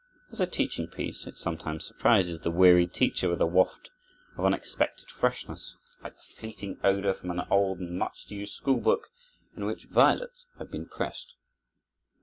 As a teaching piece it sometimes surprises the weary teacher with a waft of unexpected freshness, like the fleeting odor from an old and much used school book in which violets have been pressed.